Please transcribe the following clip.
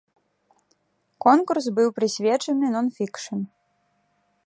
Конкурс быў прысвечаны нон-фікшн.